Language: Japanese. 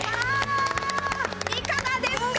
いかがですか？